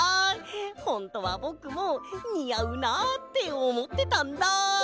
ほんとはぼくもにあうなあっておもってたんだ！